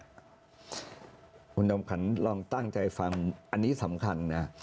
คุณจอมขวัญลองตั้งใจฟังอันนี้สำคัญนะ